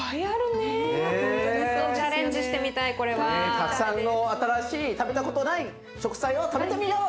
たくさんの新しい食べたことない食材を食べてみよう！